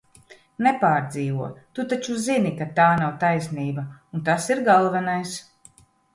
Nepārdzīvo, Tu taču zini, ka tā nav taisnība, un tas ir galvenais!